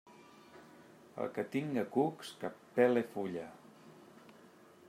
El que tinga cucs que pele fulla.